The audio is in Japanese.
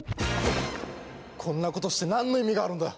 こんな事してなんの意味があるんだ。